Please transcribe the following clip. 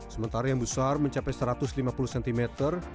sementara yang besar mencapai rp satu ratus lima puluh